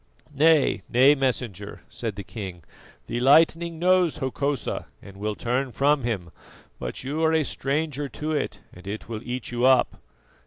"Nay, nay, Messenger," said the king, "the lightning knows Hokosa and will turn from him, but you are a stranger to it and it will eat you up."